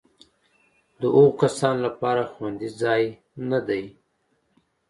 د هغو کسانو لپاره خوندي ځای نه دی.